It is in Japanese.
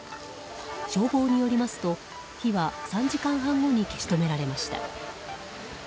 消防によりますと火は３時間半後に消し止められました。